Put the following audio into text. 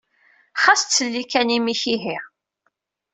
Xas ttelli kan imi-k, ihi!